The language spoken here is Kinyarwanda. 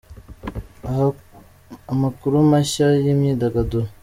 Amakuru mashya y’Imyidagaduro